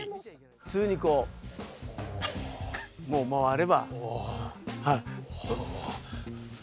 普通にこうもう回れば。